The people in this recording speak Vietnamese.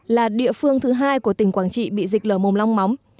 là địa phương thứ hai của tỉnh quảng trị bị dịch lở mồm long móng